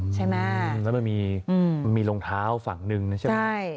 แล้วมันมีรองเท้าฝั่งหนึ่งนะใช่ไหม